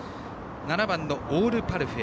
７番オールパルフェ